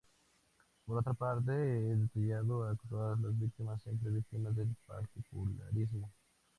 Por otra parte, he detallado a todas la víctimas, siempre víctimas, del particularismo.